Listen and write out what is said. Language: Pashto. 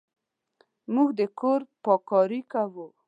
موږ د کور پاککاري کوو.